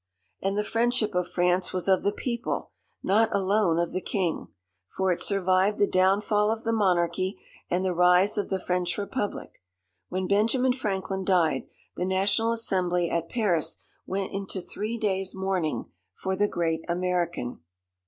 And the friendship of France was of the people, not alone of the king, for it survived the downfall of the monarchy and the rise of the French Republic. When Benjamin Franklin died the National Assembly at Paris went into three days' mourning for "the great American."